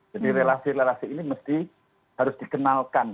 jadi relasi relasi ini mesti harus dikenalkan